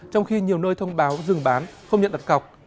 trong khi nhiều nơi thông báo dừng bán không nhận đặt cọc